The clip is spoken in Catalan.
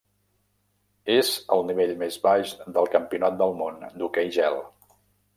És el nivell més baix del Campionat del Món d'hoquei gel.